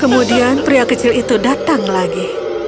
kemudian pria kecil itu datang lagi